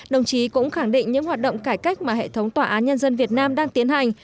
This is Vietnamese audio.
đồng chí cũng khẳng định những hoạt động cải cách mà hệ thống tòa án nhân dân việt nam đang tiến hành